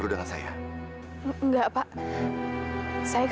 ih gak ngerti apaan